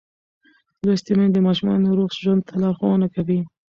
لوستې میندې د ماشومانو روغ ژوند ته لارښوونه کوي.